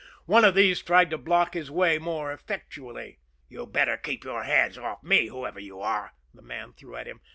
One of these tried to block his way more effectually. "You'd better keep your hands off, whoever you are," the man threw at him.